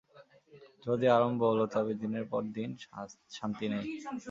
যদি আরম্ভ হল তবে দিনের পর দিন শান্তি নেই।